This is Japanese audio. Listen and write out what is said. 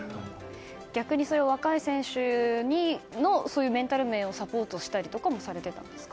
逆に若い選手のメンタル面をサポートしたりとかもされてたんですか？